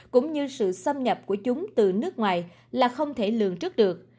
cũng như sự xâm nhập của chúng từ nước ngoài là không thể lường trước được